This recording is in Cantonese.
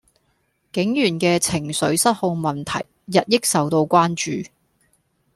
警員既情緒失控問題日益受到關注